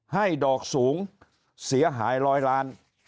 ให้ดอกสูงเสียหายร้อยล้าน